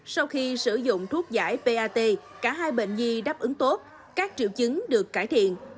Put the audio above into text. sau khi sử dụng thuốc giải pat cả hai bệnh nhi đáp ứng tốt các triệu chứng được cải thiện